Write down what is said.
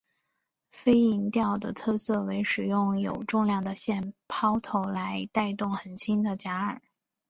飞蝇钓的特色为使用有重量的线抛投来带动很轻的假饵。